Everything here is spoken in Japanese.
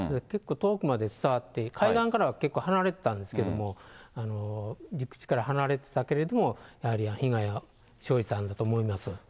結構、遠くまで伝わって、海岸からは結構離れてたんですけれども、陸地から離れてたけれども、やはり被害は生じたんだと思います。